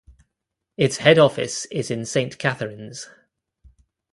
Its head office is in Saint Catharines.